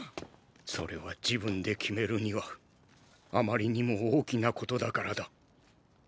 それは自分で決めるにはあまりにも大きなことだからだ。